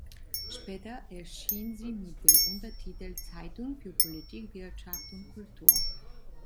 Später erschien sie mit dem Untertitel „Zeitung für Politik, Wirtschaft und Kultur“.